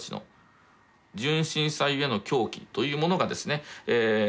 「純真さゆえの狂気」というものがですね